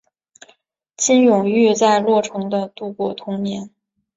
金永玉在洛城的度过童年。